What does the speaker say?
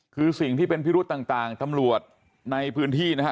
คือสิ่งที่เป็นพิรุษต่างตำรวจในพื้นที่นะฮะ